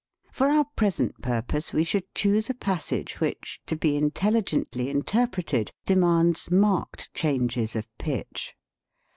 For our present purpose we should choose a passage which, to be intelli gently interpreted, demands marked changes of pitch.